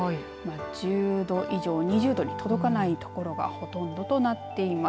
１０度以上２０度に届かない所がほとんどとなっています。